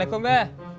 wah aku pamp credit